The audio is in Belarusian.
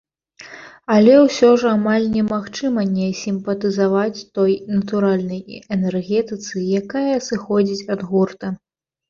Але ўсё ж амаль немагчыма не сімпатызаваць той натуральнай энергетыцы, якая сыходзіць ад гурта.